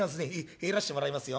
入らしてもらいますよ。